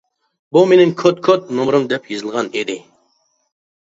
بۇ مېنىڭ كوت-كوت نومۇرۇم دەپ يېزىلغان ئىدى.